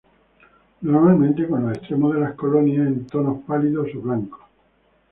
Normalmente con los extremos de las colonias en tonos pálidos o blancos.